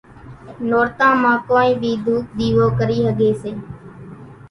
نورتان مان ڪونئين ٻي ڌُوپ ۮيوو ڪري ۿڳي سي